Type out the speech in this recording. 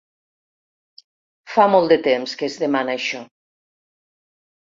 Fa molt de temps que es demana això.